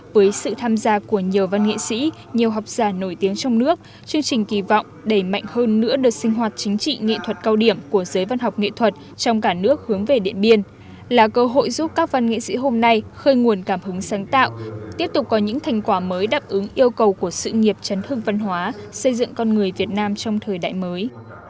với sự tham gia của nhiều văn nghệ sĩ nhiều học giả nổi tiếng trong nước chương trình kỳ vọng đẩy mạnh hơn nữa được sinh hoạt chính trị nghệ thuật cao điểm của giới văn học nghệ thuật trong cả nước hướng về điện biên là cơ hội giúp các văn nghệ sĩ hôm nay khơi nguồn cảm hứng sáng tạo tiếp tục có những thành quả mới đáp ứng yêu cầu của sự nghiệp chấn thương văn hóa xây dựng con người việt nam trong thời đại mới